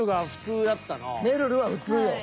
めるるは普通よ。